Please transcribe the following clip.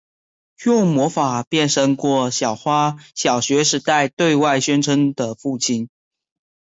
用魔法变身过小花小学时代对外宣称的父亲。